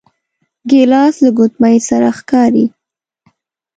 ګیلاس له ګوتمې سره ښکاري.